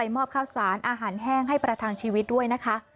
มอบข้าวสารอาหารแห้งให้ประทังชีวิตด้วยนะคะ